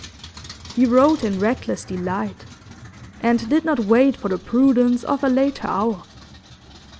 He wrote in reckless delight, and did not wait for the prudence of a later hour.